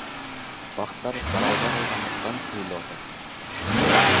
Бактар каралбай калгандыктан кыйылып жатат.